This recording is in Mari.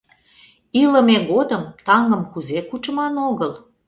Илыме годым таҥым кузе кучыман огыл.